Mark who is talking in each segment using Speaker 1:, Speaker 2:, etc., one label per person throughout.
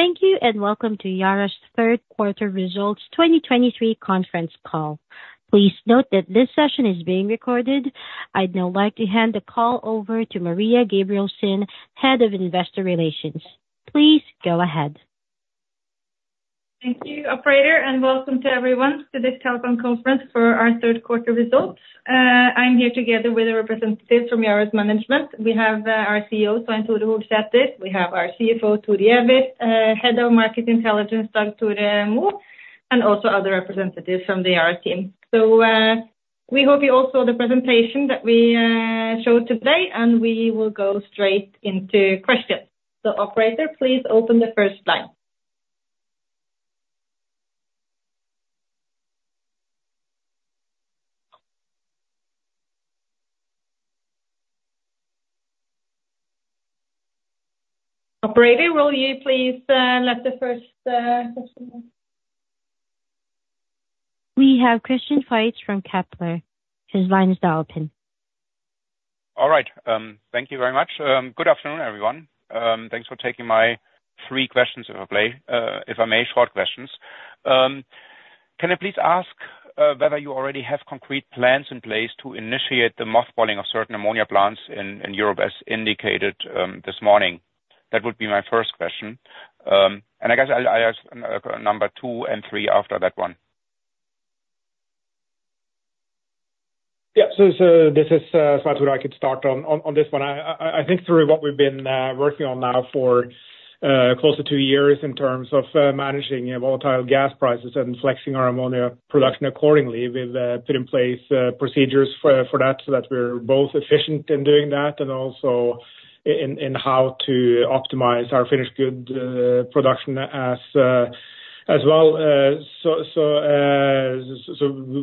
Speaker 1: Thank you and welcome to Yara's third quarter results 2023 conference call. Please note that this session is being recorded. I'd now like to hand the call over to Maria Gabrielsen, Head of Investor Relations. Please go ahead.
Speaker 2: Thank you, operator, and welcome to everyone to this telephone conference for our third quarter results. I'm here together with a representative from Yara's management. We have our CEO, Svein Tore Holsether, we have our CFO, Thor Giæver, Head of Market Intelligence, Dag Tore Mo, and also other representatives from the Yara team. We hope you all saw the presentation that we showed today, and we will go straight into questions. Operator, please open the first line. Operator, will you please let the first question know?
Speaker 1: We have Christian Faitz from Kepler. His line is now open.
Speaker 3: All right, thank you very much. Good afternoon, everyone. Thanks for taking my three questions, if I may, short questions. Can I please ask whether you already have concrete plans in place to initiate the mothballing of certain ammonia plants in Europe, as indicated this morning? That would be my first question. I guess I'll ask number two and three after that one.
Speaker 4: This is Svein Tore. I could start on this one. I think through what we've been working on now for close to two years in terms of managing volatile gas prices and flexing our ammonia production accordingly, we've put in place procedures for that, so that we're both efficient in doing that and also in how to optimize our finished good production as well.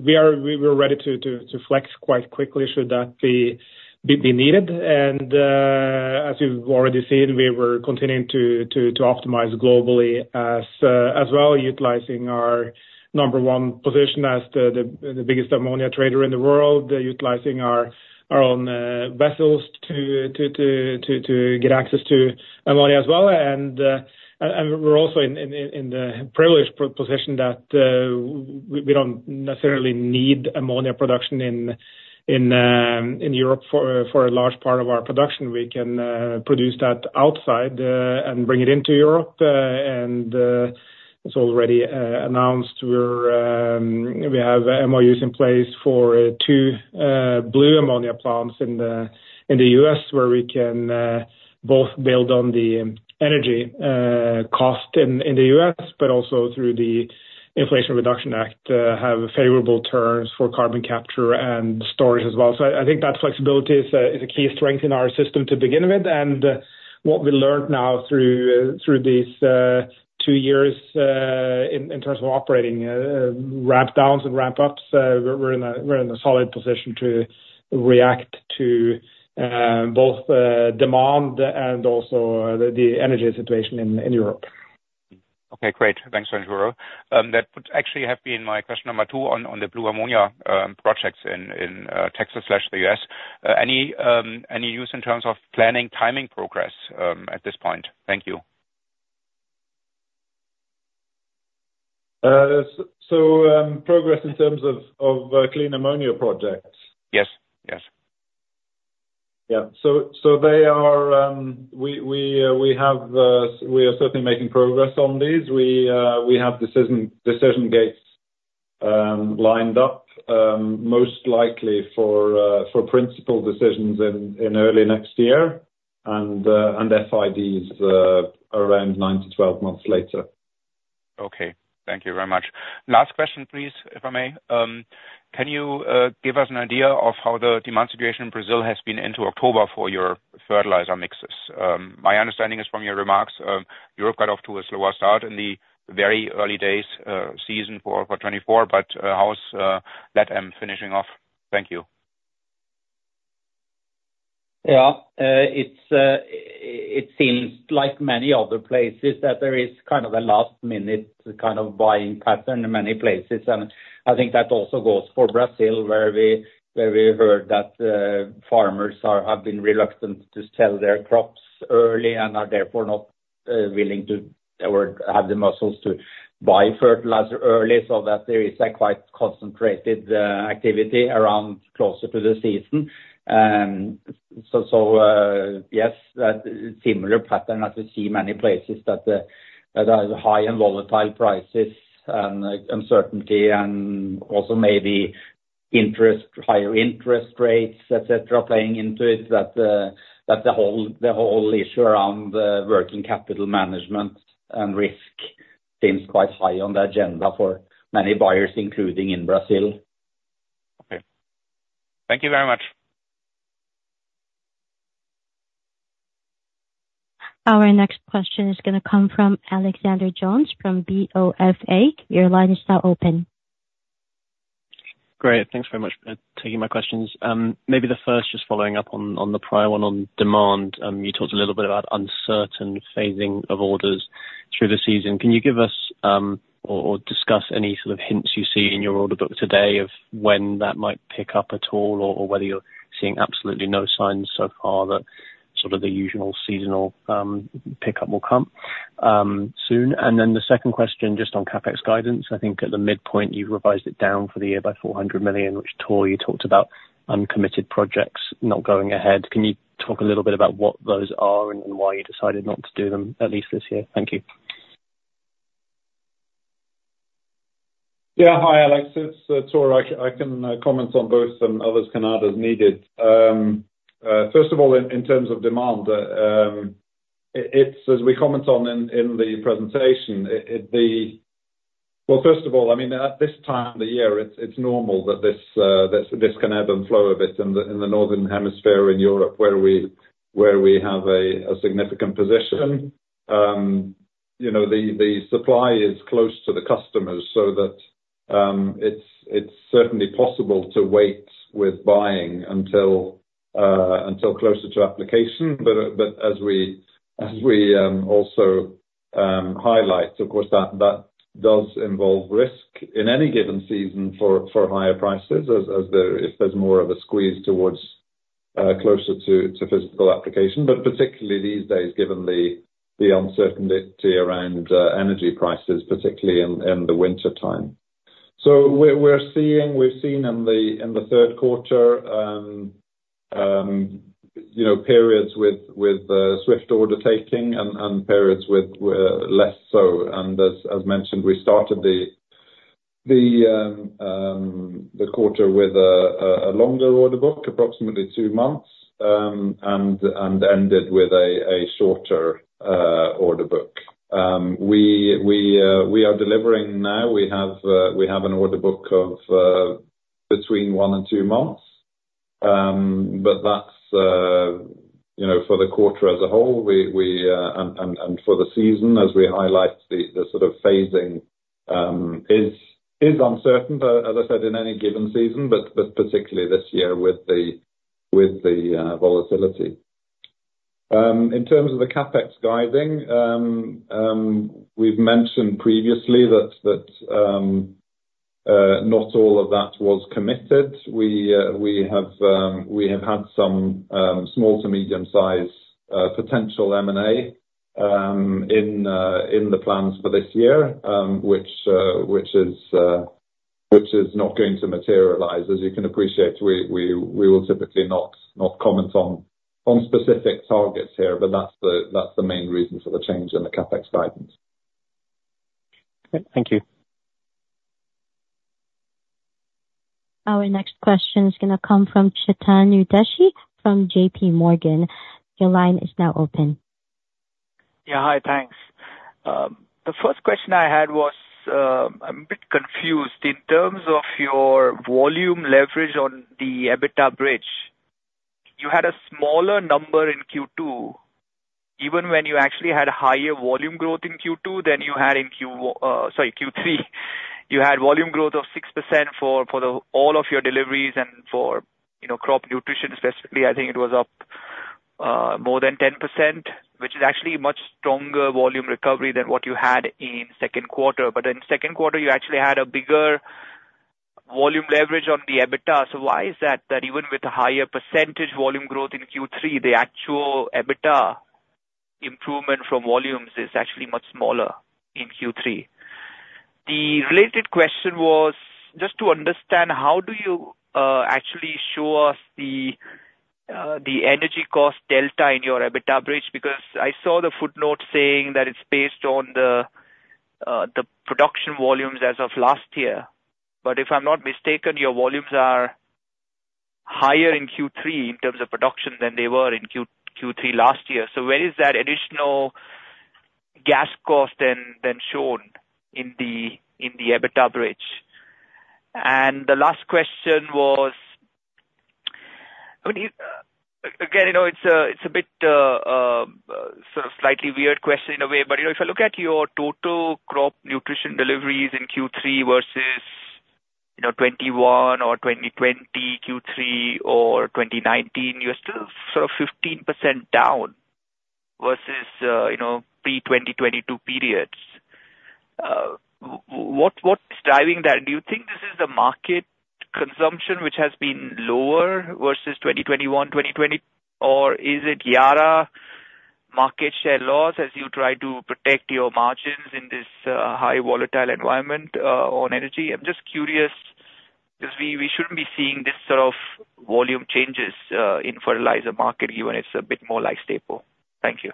Speaker 4: We were ready to flex quite quickly, should that be needed. As you've already seen, we were continuing to optimize globally as well, utilizing our number one position as the biggest ammonia trader in the world. Utilizing our own vessels to get access to ammonia as well. We're also in the privileged position that we don't necessarily need ammonia production in Europe for a large part of our production. We can produce that outside and bring it into Europe. It's already announced. We have MOUs in place for two blue ammonia plants in the U.S., where we can both build on the energy cost in the U.S., but also through the Inflation Reduction Act, have favorable terms for carbon capture and storage as well. I think that flexibility is a key strength in our system to begin with, and what we learned now through this two years in terms of operating ramp downs and ramp ups, we're in a solid position to react to both demand and also the energy situation in Europe.
Speaker 3: Okay, great. Thanks, Svein Tore. That would actually have been my question number two on the blue ammonia projects in Texas/the U.S. Any news in terms of planning, timing, progress at this point? Thank you.
Speaker 5: Progress in terms of clean ammonia projects?
Speaker 3: Yes. Yes. Okay. Thank you very much. Last question, please, if I may. Can you give us an idea of how the demand situation in Brazil has been into October for your fertilizer mixes? My understanding is, from your remarks, you're kind of to a slower start in the very early days, season for 2024, but how is that ending, finishing off? Thank you.
Speaker 4: Yeah. It seems like many other places, that there is kind of a last-minute kind of buying pattern in many places. I think that also goes for Brazil, where we heard that farmers have been reluctant to sell their crops early and are therefore not willing to or have the muscles to buy fertilizer early, so that there is a quite concentrated activity around closer to the season. Yes, that similar pattern as we see many places that are high and volatile prices and uncertainty and also maybe interest, higher interest rates, et cetera, playing into it. The whole issue around the working capital management and risk seems quite high on the agenda for many buyers, including in Brazil.
Speaker 3: Okay. Thank you very much.
Speaker 1: Our next question is gonna come from Alexander Jones, from BofA. Your line is now open.
Speaker 6: Great. Thanks very much for taking my questions. Maybe the first, just following up on the prior one on demand. You talked a little bit about uncertain phasing of orders. Through the season, can you give us or discuss any sort of hints you see in your order book today of when that might pick up at all, or whether you're seeing absolutely no signs so far that sort of the usual seasonal pickup will come soon? The second question, just on CapEx guidance. I think at the midpoint, you've revised it down for the year by $400 million, which Thor, you talked about uncommitted projects not going ahead. Can you talk a little bit about what those are and why you decided not to do them, at least this year? Thank you.
Speaker 7: Yeah. Hi, Alex, it's Thor. I can comment on both, and others can add as needed. First of all, in terms of demand, it's as we comment on in the presentation. Well, first of all, I mean, at this time of the year, it's normal that there's this ebb and flow of it in the Northern Hemisphere, in Europe, where we have a significant position. You know, the supply is close to the customers, so that it's certainly possible to wait with buying until closer to application. As we also highlight, of course, that does involve risk in any given season for higher prices, if there's more of a squeeze towards closer to physical application, but particularly these days, given the uncertainty around energy prices, particularly in the wintertime. We've seen in the third quarter, you know, periods with swift order taking and periods with less so, and as mentioned, we started the quarter with a longer order book, approximately two months, and ended with a shorter order book. We are delivering now. We have an order book of between one and two months, but that's, you know, for the quarter as a whole. For the season, as we highlight, the sort of phasing is uncertain, but as I said, in any given season, but particularly this year with the volatility. In terms of the CapEx guiding, we've mentioned previously that not all of that was committed. We have had some small to medium-sized potential M&A in the plans for this year, which is not going to materialize. As you can appreciate, we will typically not comment on specific targets here, but that's the main reason for the change in the CapEx guidance.
Speaker 6: Great. Thank you.
Speaker 1: Our next question is gonna come from Chetan Udeshi from JPMorgan. Your line is now open.
Speaker 8: Yeah. Hi, thanks. The first question I had was, I'm a bit confused. In terms of your volume leverage on the EBITDA bridge, you had a smaller number in Q2, even when you actually had higher volume growth in Q2 than you had in Q1, sorry, Q3. You had volume growth of 6% for all of your deliveries, and for, you know, crop nutrition specifically, I think it was up more than 10%, which is actually much stronger volume recovery than what you had in second quarter. In second quarter, you actually had a bigger volume leverage on the EBITDA. Why is that, that even with the higher percentage volume growth in Q3, the actual EBITDA improvement from volumes is actually much smaller in Q3? The related question was, just to understand, how do you actually show us the energy cost delta in your EBITDA bridge? Because I saw the footnote saying that it's based on the production volumes as of last year, but if I'm not mistaken, your volumes are higher in Q3, in terms of production, than they were in Q3 last year. Where is that additional gas cost then shown in the EBITDA bridge? The last question was, I mean, again, you know, it's a bit sort of slightly weird question in a way, but, you know, if you look at your total crop nutrition deliveries in Q3 versus, you know, 2021 or 2020 Q3, or 2019, you're still sort of 15% down versus, you know, pre-2022 periods. What's driving that? Do you think this is the market consumption, which has been lower versus 2021, 2020, or is it Yara market share loss as you try to protect your margins in this high volatile environment on energy? I'm just curious because we shouldn't be seeing this sort of volume changes in fertilizer market, even if it's a bit more like staple. Thank you.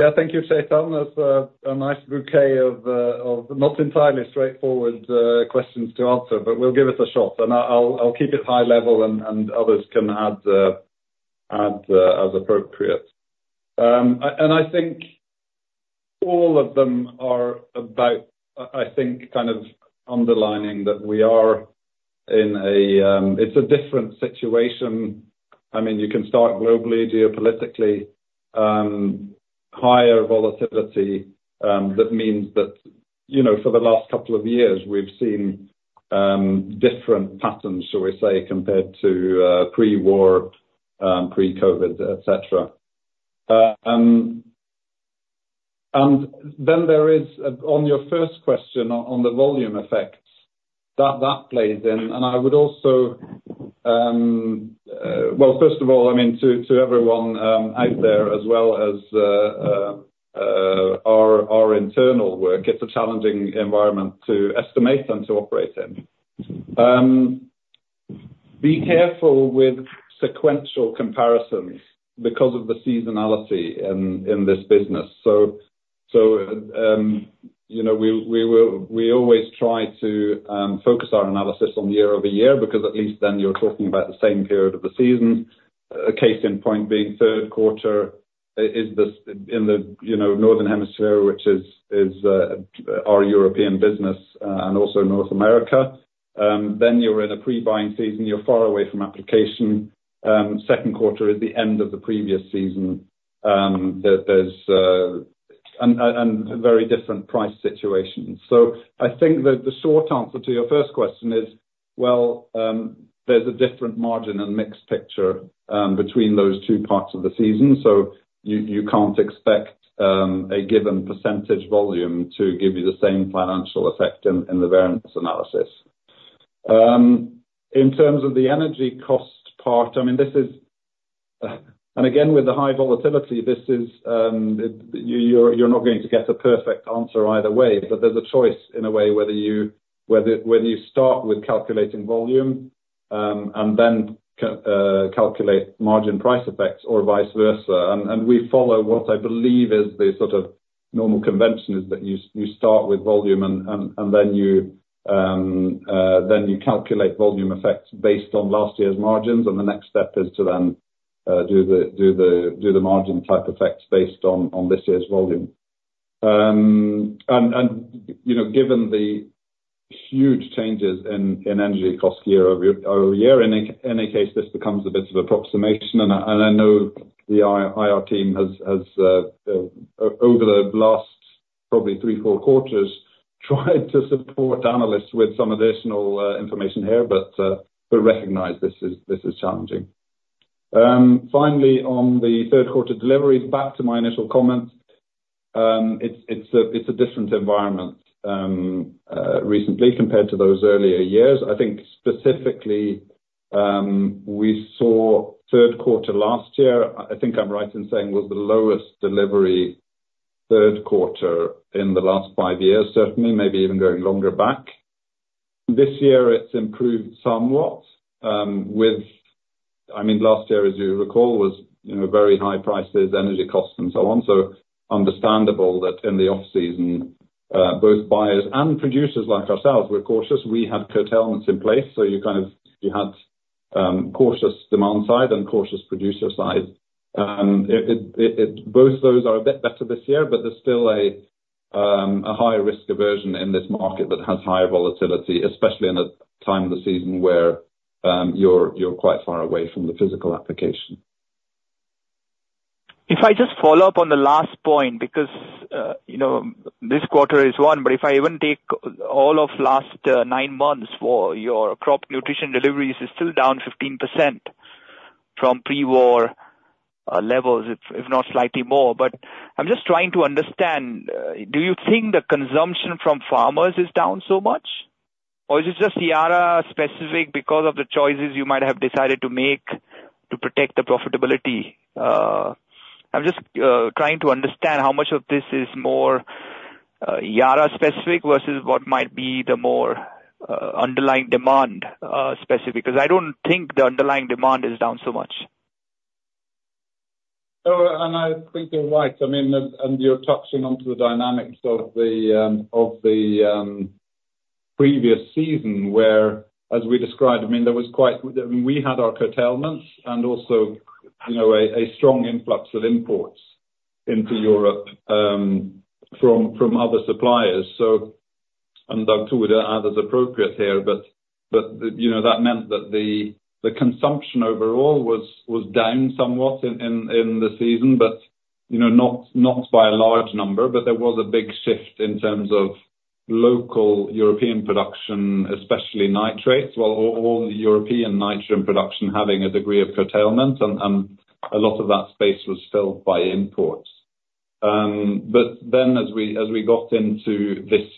Speaker 7: Yeah, thank you, Chetan. That's a nice bouquet of not entirely straightforward questions to answer, but we'll give it a shot. I'll keep it high level, and others can add as appropriate. I think all of them are about, I think, kind of underlining that we are in a... It's a different situation. I mean, you can start globally, geopolitically, higher volatility. That means that, you know, for the last couple of years, we've seen different patterns, shall we say, compared to pre-war, pre-COVID, et cetera. There is, on your first question, on the volume effects, that plays in, and I would also... Well, first of all, I mean, to everyone out there, as well as our internal work, it's a challenging environment to estimate and to operate in. Be careful with sequential comparisons because of the seasonality in this business. You know, we always try to focus our analysis on year-over-year, because at least then you're talking about the same period of the season. A case in point being third quarter is in the, you know, Northern Hemisphere, which is our European business and also North America. You're in a pre-buying season, you're far away from application. Second quarter is the end of the previous season. There's very different price situations. I think that the short answer to your first question is, well, there's a different margin and mixed picture between those two parts of the season, so you can't expect a given % volume to give you the same financial effect in the variance analysis. In terms of the energy cost part, I mean, this is... Again, with the high volatility, this is, you're not going to get a perfect answer either way. There's a choice, in a way, whether when you start with calculating volume and then calculate margin price effects or vice versa. We follow what I believe is the sort of normal convention, is that you start with volume and then you calculate volume effects based on last year's margins. The next step is to then do the margin type effects based on this year's volume. You know, given the huge changes in energy costs year-over-year, in any case, this becomes a bit of approximation, and I know the IR team has, over the last probably three, four quarters, tried to support analysts with some additional information here, but we recognize this is challenging. Finally, on the third quarter deliveries, back to my initial comments, it's a different environment recently compared to those earlier years. I think specifically, we saw third quarter last year, I think I'm right in saying, was the lowest delivery third quarter in the last five years, certainly, maybe even going longer back. This year, it's improved somewhat with... I mean, last year, as you recall, was, you know, very high prices, energy costs, and so on. Understandable that in the off-season, both buyers and producers like ourselves were cautious. We had curtailments in place, so you kind of, you had cautious demand side and cautious producer side. Both those are a bit better this year, but there's still a higher risk aversion in this market that has higher volatility, especially in a time of the season where you're quite far away from the physical application.
Speaker 8: If I just follow up on the last point, because, you know, this quarter is one, but if I even take all of last nine months for your crop nutrition deliveries, is still down 15% from pre-war levels, if not slightly more. I'm just trying to understand, do you think the consumption from farmers is down so much, or is it just Yara-specific because of the choices you might have decided to make to protect the profitability? I'm just trying to understand how much of this is more Yara-specific versus what might be the more underlying demand-specific, because I don't think the underlying demand is down so much.
Speaker 7: I think you're right. I mean, and you're touching on to the dynamics of the previous season, where, as we described, I mean, we had our curtailments and also, you know, a strong influx of imports into Europe from other suppliers. I'm sure we'll add as appropriate here, but, you know, that meant that the consumption overall was down somewhat in the season, but you know, not by a large number. There was a big shift in terms of local European production, especially nitrates, well, all the European nitrogen production having a degree of curtailment and a lot of that space was filled by imports. As we got into this,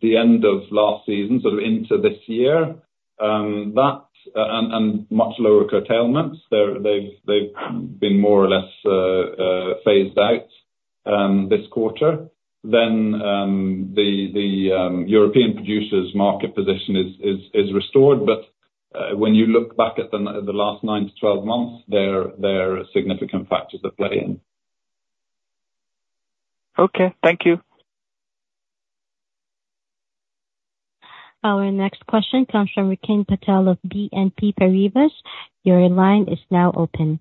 Speaker 7: the end of last season, sort of into this year, that and much lower curtailments, they've been more or less phased out this quarter, then the European producers market position is restored. When you look back at the last 9-12 months, there are significant factors at play.
Speaker 8: Okay. Thank you.
Speaker 1: Our next question comes from Rakeen Patel of BNP Paribas. Your line is now open.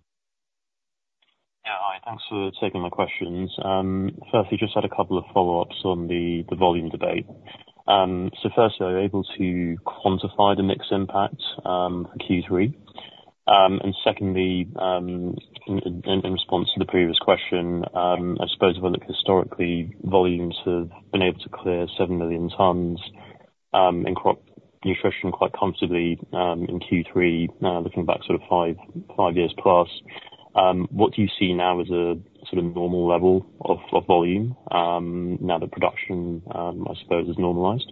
Speaker 9: Yeah, hi. Thanks for taking my questions. First, I just had a couple of follow-ups on the volume debate. First, are you able to quantify the mix impact for Q3? Secondly, in response to the previous question, I suppose if I look historically, volumes have been able to clear 7 million tons in crop nutrition quite comfortably in Q3. Now, looking back sort of five years plus, what do you see now as a sort of normal level of volume now that production, I suppose, is normalized?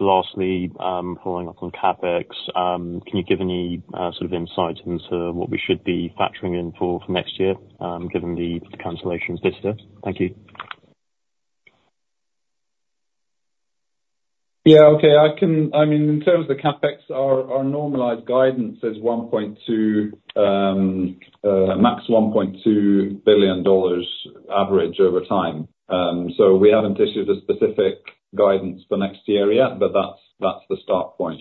Speaker 9: Lastly, following up on CapEx, can you give any sort of insight into what we should be factoring in for next year, given the cancellations this year? Thank you.
Speaker 7: Yeah. Okay. I can... I mean, in terms of the CapEx, our normalized guidance is $1.2 billion, max $1.2 billion average over time. We haven't issued a specific guidance for next year yet, but that's the start point.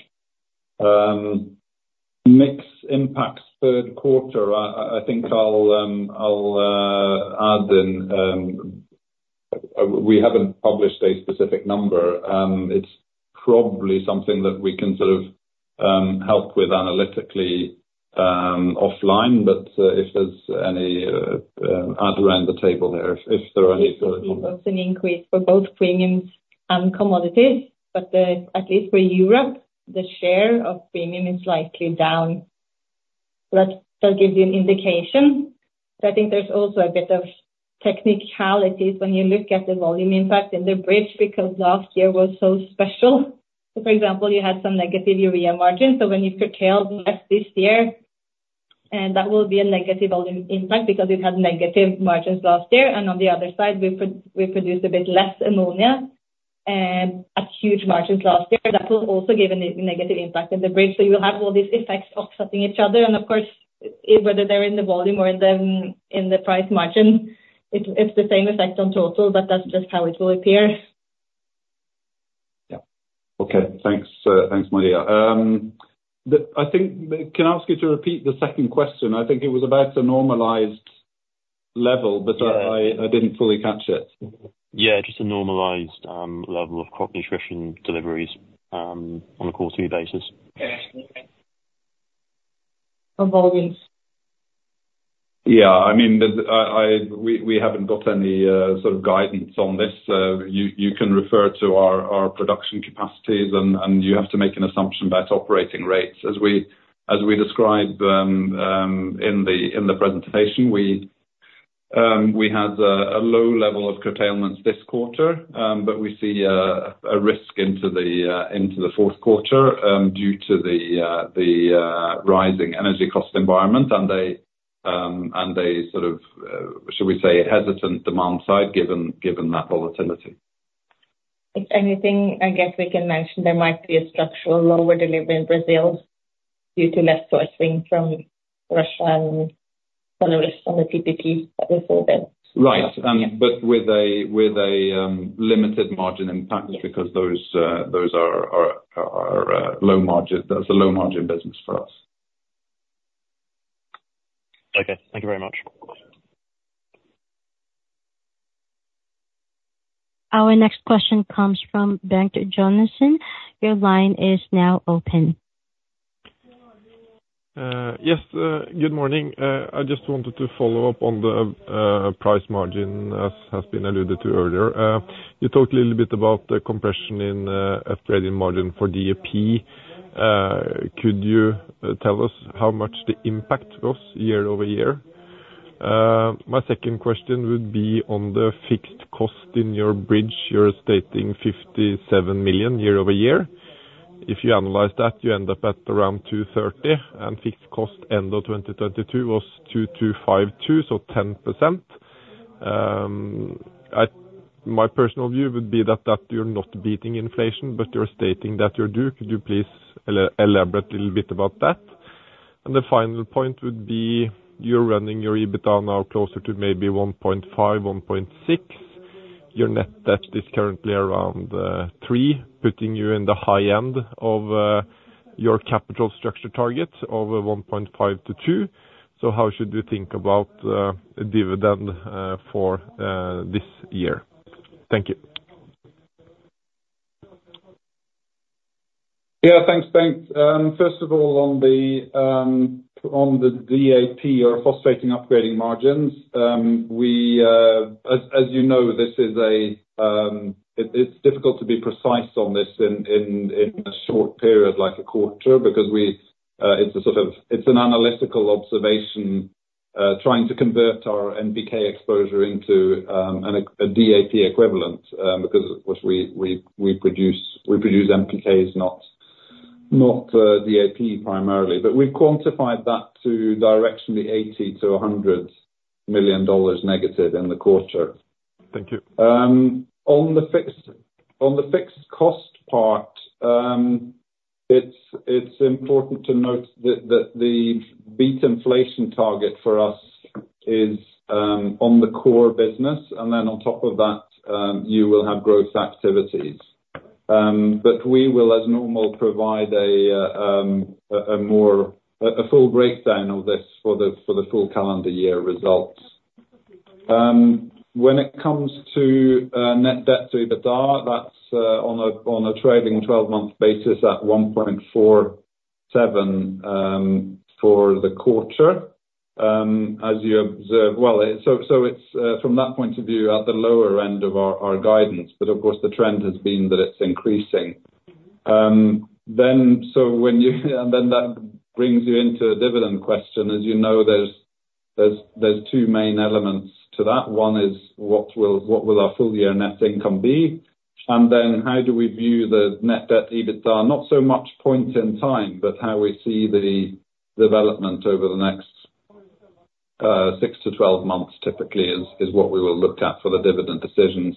Speaker 7: Mix impacts third quarter. I think I'll add in, we haven't published a specific number. It's probably something that we can sort of help with analytically offline, but if there's any others around the table here, if there are any sort of...
Speaker 2: There was an increase for both premiums and commodities, but at least for Europe, the share of premium is slightly down. That should give you an indication. I think there's also a bit of technicalities when you look at the volume impact in the bridge, because last year was so special. For example, you had some negative urea margins, so when you curtailed less this year, and that will be a negative volume impact, because it had negative margins last year. On the other side, we produced a bit less ammonia, and at huge margins last year, that will also give a negative impact in the bridge. You have all these effects offsetting each other, and of course, whether they're in the volume or in the price margin, it's the same effect on total, but that's just how it will appear.
Speaker 7: Yeah. Okay, thanks. Thanks, Maria. Can I ask you to repeat the second question? I think it was about the normalized level, but.
Speaker 9: Yeah.
Speaker 7: I didn't fully catch it.
Speaker 9: Yeah, just the normalized level of crop nutrition deliveries on a quarterly basis.
Speaker 7: Yeah.
Speaker 2: On volumes.
Speaker 7: Yeah, I mean, we haven't got any sort of guidance on this. You can refer to our production capacities, and you have to make an assumption about operating rates. As we described in the presentation, we had a low level of curtailments this quarter, but we see a risk into the fourth quarter due to the rising energy cost environment and a sort of, should we say, hesitant demand side, given that volatility.
Speaker 2: If anything, I guess we can mention there might be a structural lower delivery in Brazil due to less sourcing from Russia and Belarus from the TPP that we saw then.
Speaker 7: Right.
Speaker 2: Yeah.
Speaker 7: But with a limited margin impact.
Speaker 2: Yeah.
Speaker 7: Because those are low margin. That's a low-margin business for us.
Speaker 9: Okay. Thank you very much.
Speaker 1: Our next question comes from Bengt Jonassen. Your line is now open.
Speaker 10: Yes Good morning I just want to follow up on the price margin have been talked earlier could you please tell us [missing transcript] Your net debt is currently around 3x, putting you in the high end of your capital structure target of 1.5x-2x. How should you think about the dividend for this year? Thank you.
Speaker 7: Yeah, thanks, Bengt. First of all, on the DAP or phosphate upgrading margins, as you know, it's difficult to be precise on this in a short period, like a quarter, because it's an analytical observation trying to convert our NPK exposure into a DAP equivalent, because of course, we produce NPKs, not DAP primarily. We've quantified that to directionally, $80 million-$100 million negative in the quarter.
Speaker 10: Thank you.
Speaker 7: On the fixed cost part, it's important to note that the beat inflation target for us is on the core business, and then on top of that, you will have growth activities. We will, as normal, provide a full breakdown of this for the full calendar year results. When it comes to net debt to EBITDA, that's on a trailing 12-month basis at 1.47 for the quarter. As you observe, well, it's from that point of view at the lower end of our guidance, but of course, the trend has been that it's increasing. That brings you into the dividend question. As you know, there's two main elements to that. One is, what will our full-year net income be? How do we view the net debt EBITDA, not so much point in time, but how we see the development over the next 6-12 months, typically, is what we will look at for the dividend decision.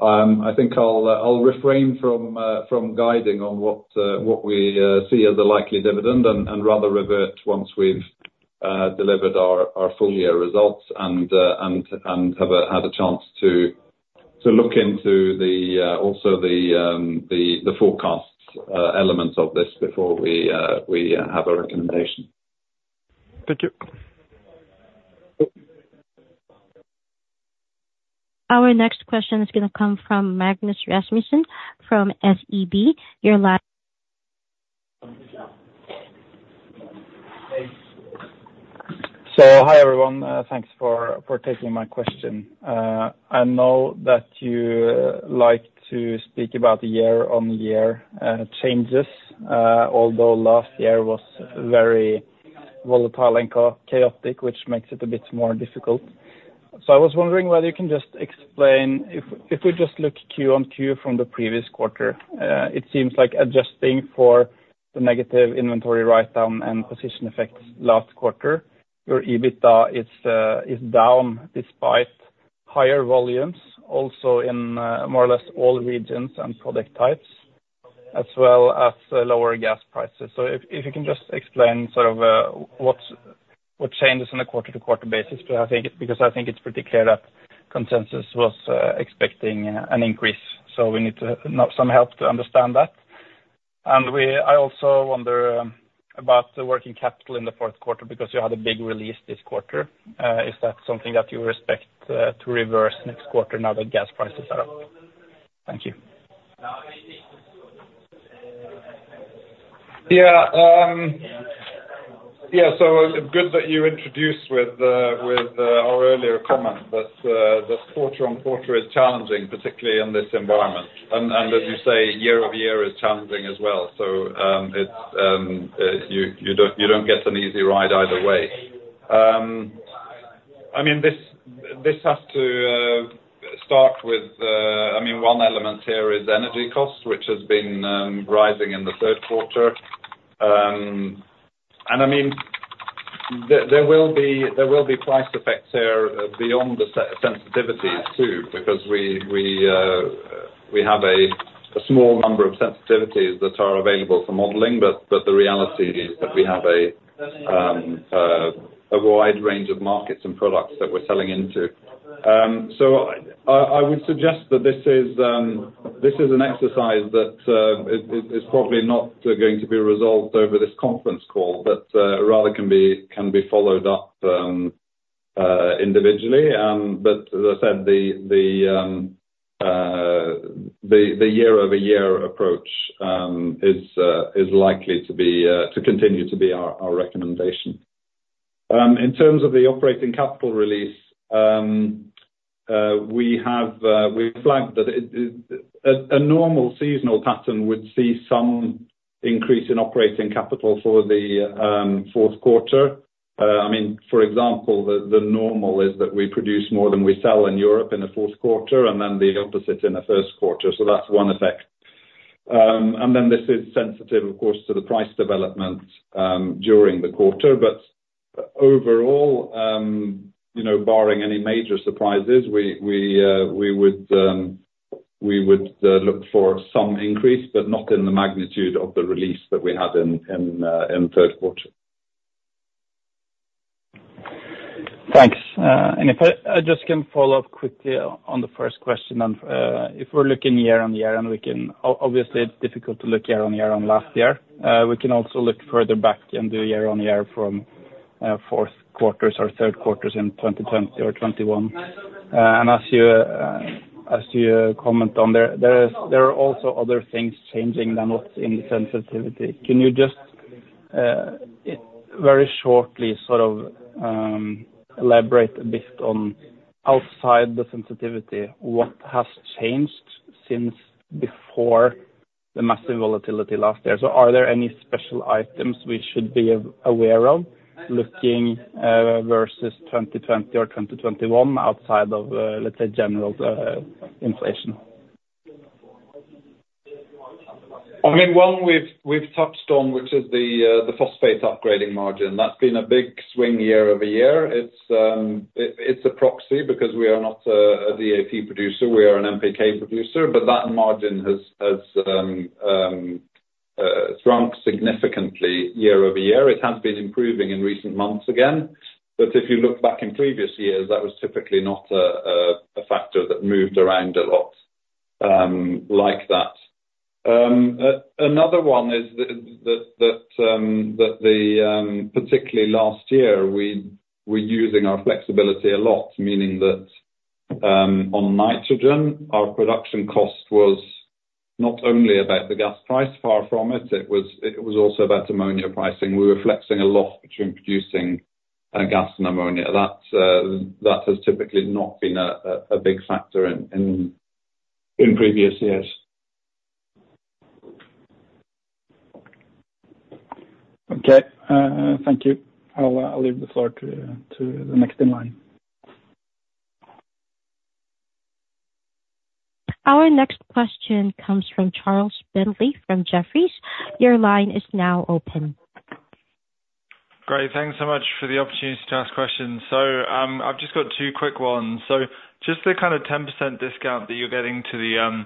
Speaker 7: I think I'll refrain from guiding on what we see as the likely dividend, and rather revert once we've delivered our full-year results, and have had a chance to look into also the forecast elements of this before we have a recommendation.
Speaker 10: Thank you.
Speaker 1: Our next question is gonna come from Magnus Rasmussen from SEB. Your line.
Speaker 11: Hi, everyone. Thanks for taking my question. I know that you like to speak about the year-on-year changes, although last year was very volatile and chaotic, which makes it a bit more difficult. I was wondering whether you can just explain, if we just look Q-on-Q from the previous quarter, it seems like adjusting for the negative inventory write-down and position effects last quarter, your EBITDA is down despite higher volumes, also in more or less all regions and product types, as well as lower gas prices. If you can just explain sort of what changes on a quarter-to-quarter basis, because I think it's pretty clear that consensus was expecting an increase, so we need some help to understand that. I also wonder about the working capital in the fourth quarter, because you had a big release this quarter. Is that something that you expect to reverse next quarter now that gas prices are up? Thank you.
Speaker 7: Yeah, yeah, so good that you introduced with our earlier comment, but this quarter-on-quarter is challenging, particularly in this environment. As you say, year-over-year is challenging as well, so you don't get an easy ride either way. I mean, this has to start with, I mean, one element here is energy costs, which has been rising in the third quarter. I mean, there will be price effects here, beyond the sensitivity too, because we have a small number of sensitivities that are available for modeling, but the reality is that we have a wide range of markets and products that we're selling into. I would suggest that this is an exercise that is probably not going to be resolved over this conference call, but rather can be followed up individually. As I said, the year-over-year approach is likely to continue to be our recommendation. In terms of the operating capital release, we've flagged that a normal seasonal pattern would see some increase in operating capital for the fourth quarter. I mean, for example, the normal is that we produce more than we sell in Europe in the fourth quarter, and then the opposite in the first quarter. That's one effect. This is sensitive, of course, to the price developments during the quarter. Overall, you know, barring any major surprises, we would look for some increase, but not in the magnitude of the release that we had in the third quarter.
Speaker 11: Thanks. If I just can follow up quickly on the first question, and if we're looking year-on-year... obviously, it's difficult to look year-on-year on last year. We can also look further back in the year-on-year from fourth quarters or third quarters in 2020 or 2021. As you comment on there, there is, there are also other things changing than what's in sensitivity. Can you just very shortly, sort of, elaborate a bit on, outside the sensitivity, what has changed since before the massive volatility last year? Are there any special items we should be aware of, looking versus 2020 or 2021 outside of, let's say, general inflation?
Speaker 7: I mean, one we've touched on, which is the phosphate upgrading margin. That's been a big swing year-over-year. It's a proxy because we are not a DAP producer, we are an NPK producer, but that margin has shrunk significantly year-over-year. It has been improving in recent months again, but if you look back in previous years, that was typically not that moved around a lot like that. Another one is that the, particularly last year, we're using our flexibility a lot, meaning that on nitrogen, our production cost was not only about the gas price, far from it, it was also about ammonia pricing. We were flexing a lot between producing gas and ammonia. That has typically not been a big factor in previous years.
Speaker 11: Okay. Thank you. I'll leave the floor to the next in line.
Speaker 1: Our next question comes from Charles Bentley from Jefferies. Your line is now open.
Speaker 12: Great. Thanks so much for the opportunity to ask questions. I've just got two quick ones. Just the kind of 10% discount that you're getting to the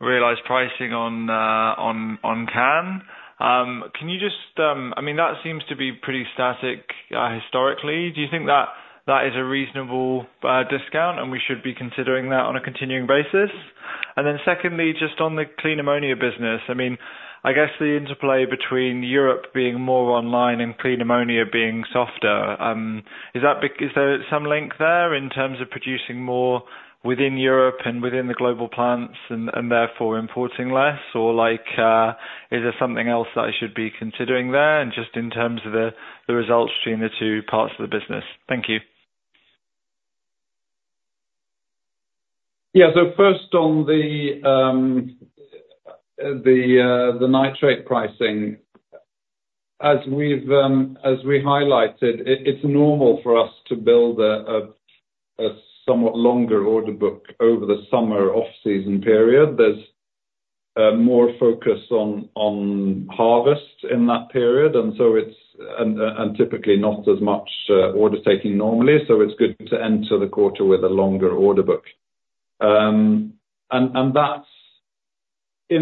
Speaker 12: realized pricing on CAN. Can you just... I mean, that seems to be pretty static historically. Do you think that that is a reasonable discount, and we should be considering that on a continuing basis? Secondly, just on the clean ammonia business, I mean, I guess the interplay between Europe being more online and clean ammonia being softer, is there some link there in terms of producing more within Europe and within the global plants, and therefore importing less? Like, is there something else that I should be considering there, and just in terms of the results between the two parts of the business? Thank you.
Speaker 7: Yeah. First, on the nitrate pricing. As we've, as we highlighted, it's normal for us to build a somewhat longer order book over the summer off-season period. There's more focus on harvest in that period, and typically not as much order taking normally, so it's good to enter the quarter with a longer order book. In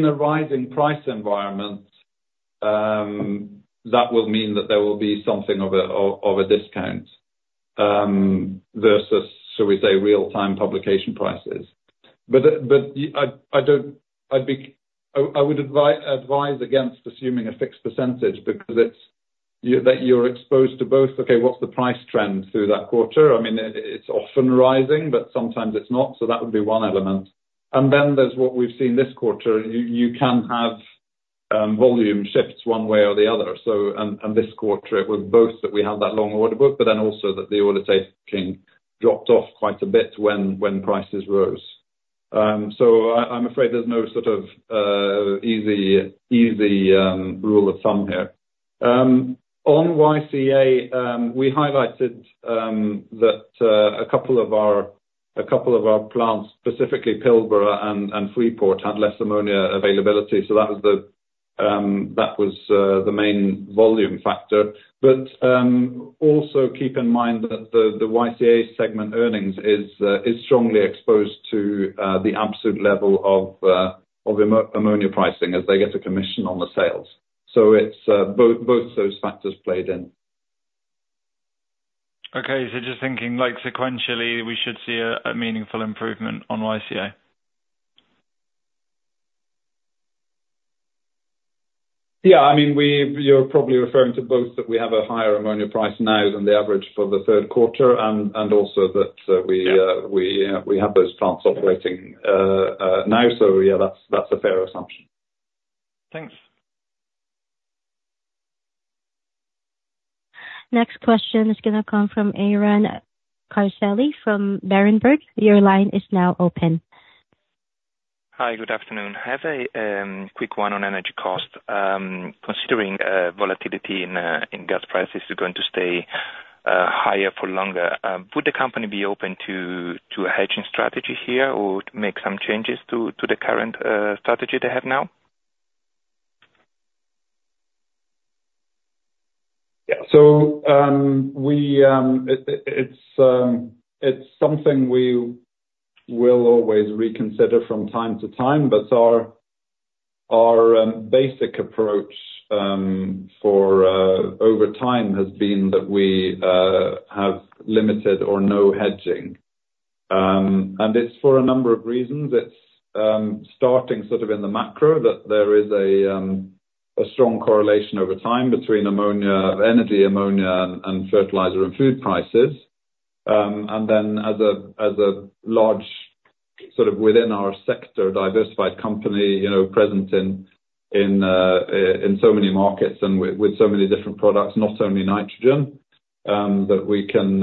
Speaker 7: a rising price environment, that will mean that there will be something of a discount versus, shall we say, real-time publication prices. I would advise against assuming a fixed percentage because you're exposed to both, okay, what's the price trend through that quarter? I mean, it's often rising, but sometimes it's not, so that would be one element. Then there's what we've seen this quarter. You can have volume shifts one way or the other. This quarter it was both that we have that long order book, but then also that the order taking dropped off quite a bit when prices rose. I'm afraid there's no sort of easy rule of thumb here. On YCA, we highlighted that a couple of our plants, specifically Pilbara and Freeport, had less ammonia availability, so that was the main volume factor. Also keep in mind that the YCA segment earnings is strongly exposed to the absolute level of ammonia pricing, as they get a commission on the sales. Both those factors played in.
Speaker 12: Okay. Just thinking, like, sequentially, we should see a meaningful improvement on YCA?
Speaker 7: Yeah. I mean, you're probably referring to both, that we have a higher ammonia price now than the average for the third quarter, and also that we.
Speaker 12: Yeah
Speaker 7: We have those plants operating now. Yeah, that's a fair assumption.
Speaker 12: Thanks.
Speaker 1: Next question is gonna come from Aron Ceccarelli from Berenberg. Your line is now open.
Speaker 13: Hi, good afternoon. I have a quick one on energy cost. Considering volatility in gas prices are going to stay higher for longer, would the company be open to a hedging strategy here or make some changes to the current strategy they have now?
Speaker 7: Yeah. It's something we will always reconsider from time to time, but our basic approach over time has been that we have limited or no hedging. It's for a number of reasons. It's starting sort of in the macro, that there is a strong correlation over time between ammonia, energy, ammonia, and fertilizer and food prices. Then as a large, sort of within our sector, diversified company, you know, present in so many markets and with so many different products, not only nitrogen, that we can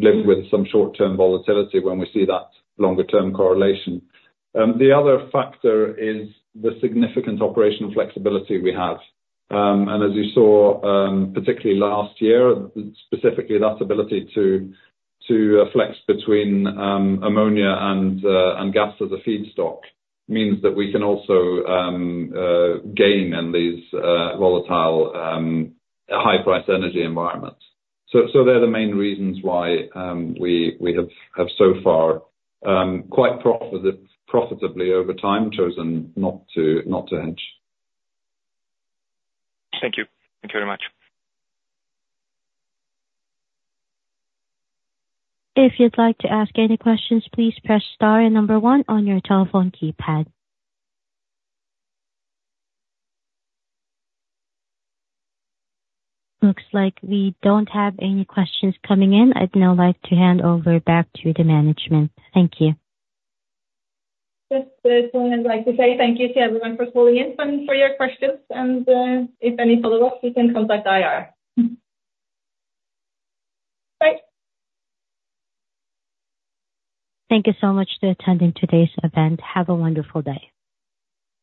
Speaker 7: live with some short-term volatility when we see that longer-term correlation. The other factor is the significant operational flexibility we have. As you saw, particularly last year, specifically that ability to flex between ammonia and gas as a feedstock means that we can also gain in these volatile, high-price energy environments. They're the main reasons why we have so far quite profitably over time chosen not to hedge.
Speaker 13: Thank you. Thank you very much.
Speaker 1: If you'd like to ask any questions, please press star and number one on your telephone keypad. Looks like we don't have any questions coming in. I'd now like to hand over back to the management. Thank you.
Speaker 2: I'd like to say thank you to everyone for calling in and for your questions, and if any follow-up, you can contact IR Bye.
Speaker 1: Thank you so much for attending today's event. Have a wonderful day.